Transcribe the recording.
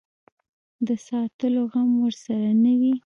د ساتلو غم ورسره نه وي.